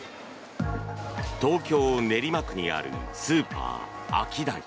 東京・練馬にあるスーパー、アキダイ。